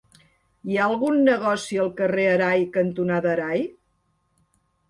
Hi ha algun negoci al carrer Arai cantonada Arai?